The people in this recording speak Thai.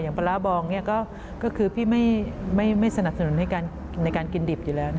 ปลาร้าบองก็คือพี่ไม่สนับสนุนในการกินดิบอยู่แล้ว